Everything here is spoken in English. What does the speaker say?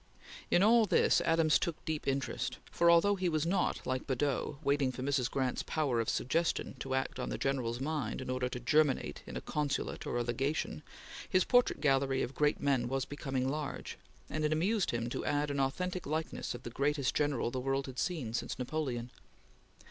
In all this, Adams took deep interest, for although he was not, like Badeau, waiting for Mrs. Grant's power of suggestion to act on the General's mind in order to germinate in a consulate or a legation, his portrait gallery of great men was becoming large, and it amused him to add an authentic likeness of the greatest general the world had seen since Napoleon.